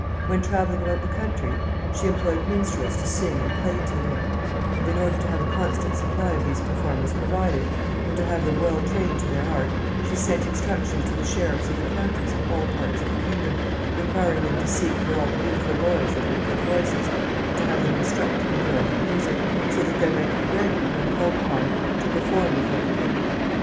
When traveling about the country, she employed minstrels to sing and play to him; and, in order to have a constant supply of these performers provided, and to have them well trained to their art, she sent instructions to the sheriffs of the counties in all parts of the kingdom, requiring them to seek for all the beautiful boys that had good voices, and to have them instructed in the art of music, so that they might be ready, when called upon, to perform before the king.